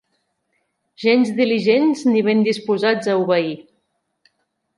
Gens diligents ni ben disposats a obeir.